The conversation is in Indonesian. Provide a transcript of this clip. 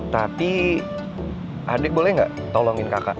tapi adik boleh gak tolongin kakak